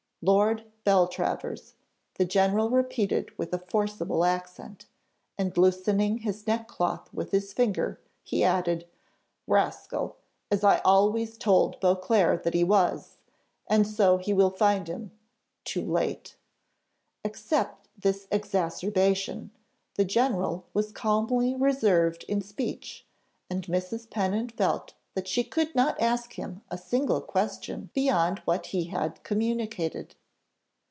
"Lord Beltravers," the general repeated with a forcible accent, and loosening his neck cloth with his finger, he added, "Rascal! as I always told Beauclerc that he was, and so he will find him too late." Except this exacerbation, the general was calmly reserved in speech, and Mrs. Pennant felt that she could not ask him a single question beyond what he had communicated.